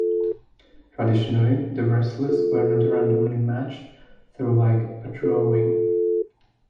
Traditionally the wrestlers were not randomly matched through like a drawing.